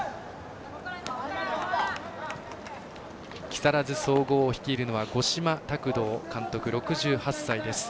木更津総合を率いるのは五島卓道監督、６８歳です。